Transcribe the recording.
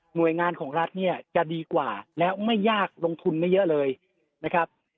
โดยงานของรัฐเนี่ยจะดีกว่าแล้วไม่ยากลงทุนไม่เยอะเลยนะครับ